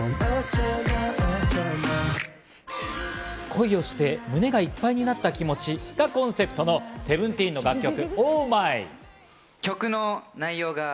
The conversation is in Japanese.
恋をして胸がいっぱいになった気持ちがコンセプトのＳＥＶＥＮＴＥＥＮの楽曲